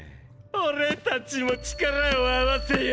俺たちも力を合わせようぜ。